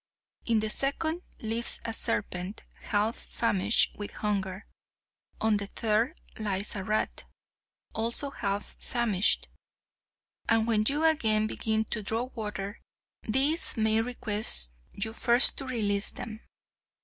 In the second lives a serpent half famished with hunger. On the third lies a rat, also half famished, and when you again begin to draw water these may request you first to release them.